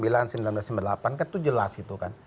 kan itu jelas itu kan